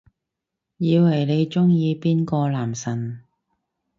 以為你鍾意邊個男神